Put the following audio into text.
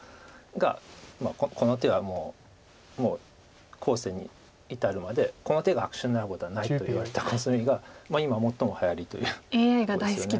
が「この手はもう後世に至るまでこの手が悪手になることはない」と言われたコスミが今最もはやりということですよね。